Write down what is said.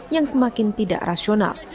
yang semakin tidak rasional